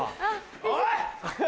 おい！